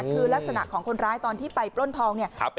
คือลักษณะของคนร้ายตอนที่ไปปล้นทองเนี่ย